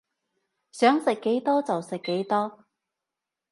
想食幾多就食幾多